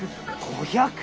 ５００！？